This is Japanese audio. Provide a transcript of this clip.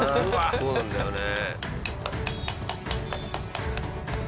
そうなんだよね。